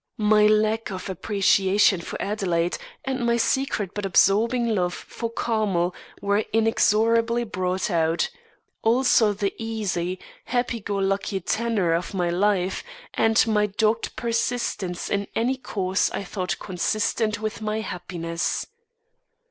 My lack of appreciation for Adelaide and my secret but absorbing love for Carmel were inexorably brought out: also the easy, happy go lucky tenor of my life, and my dogged persistence in any course I thought consistent with my happiness.